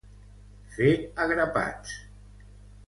Fer a grapats.